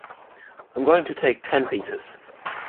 I’m going to take ten pieces.